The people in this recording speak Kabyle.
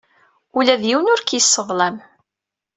Ula d yiwen ur k-yesseḍlam.